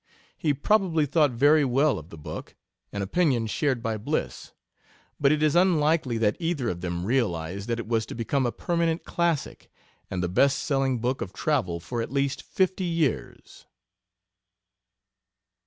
He probably thought very well of the book, an opinion shared by Bliss, but it is unlikely that either of them realized that it was to become a permanent classic, and the best selling book of travel for at least fifty years.